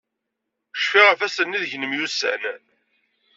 Cfiɣ ɣef ass-nni deg nemyussan.